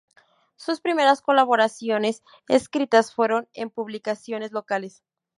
Sus primeras colaboraciones escritas fueron en publicaciones locales.